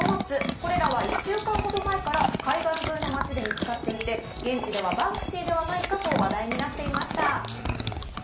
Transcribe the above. これらは１週間ほど前から海岸沿いの町で見つかっていて、現地ではバンクシーではないかと話題になっていました。